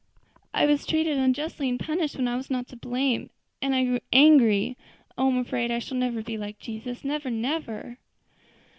I was treated unjustly, and punished when I was not to blame, and I grew angry. Oh! I'm afraid I shall never be like Jesus! never, never."